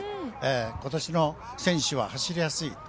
今年の選手は走りやすい。